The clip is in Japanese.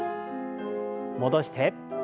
戻して。